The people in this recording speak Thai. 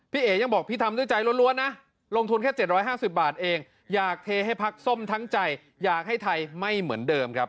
เอ๋ยังบอกพี่ทำด้วยใจล้วนนะลงทุนแค่๗๕๐บาทเองอยากเทให้พักส้มทั้งใจอยากให้ไทยไม่เหมือนเดิมครับ